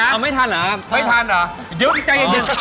อ้าวไม่ทันหรอครับไม่ทันหรอเดี๋ยวใจเย็น